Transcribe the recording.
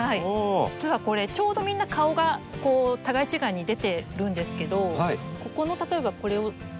実はこれちょうどみんな顔が互い違いに出てるんですけどここの例えばこれをどかしてみると。